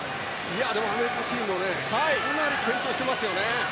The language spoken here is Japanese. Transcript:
アメリカチームはかなり健闘していますよ！